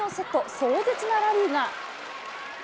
壮絶なラリーが。